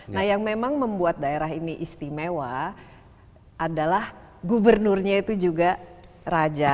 nah yang memang membuat daerah ini istimewa adalah gubernurnya itu juga raja